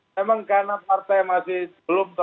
memang karena partai masih belum